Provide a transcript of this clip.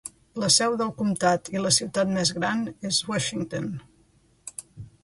La seu del comtat i la ciutat més gran és Washington.